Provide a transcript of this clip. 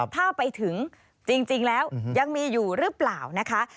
ถ้าไปถึงจริงแล้วยังมีอยู่หรือเปล่านะคะ